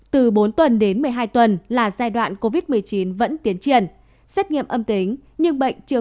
từ bốn tuần đến một mươi hai tuần là giai đoạn covid một mươi chín vẫn tiến triển xét nghiệm âm tính nhưng bệnh chưa